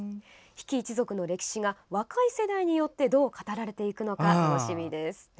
比企一族の歴史が若い世代によってどう語られていくのか楽しみです。